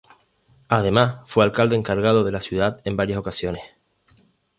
Además, fue alcalde encargado de la ciudad en varias ocasiones.